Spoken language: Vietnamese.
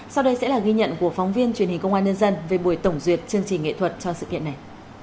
sau đây sẽ là ghi nhận của phóng viên truyền hình công an nhân dân về buổi tổng duyệt chương trình nghệ thuật cho sự kiện này